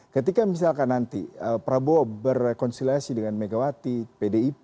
ketika misalkan nanti prabowo berrekonsiliasi dengan megawati pdip